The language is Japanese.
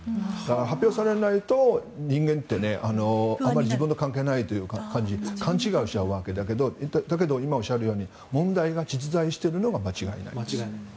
発表されないと、人間って自分と関係ないという感じで勘違いをしちゃうわけだけど今おっしゃるように問題が実在しているのは間違いないです。